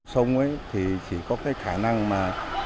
sông ấy thì chỉ có cái khả năng mà